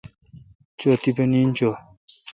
چو تیپہ نیند چو۔